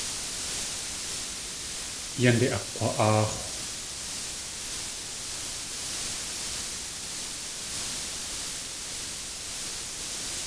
Yánde akg̲wa.áax̲w.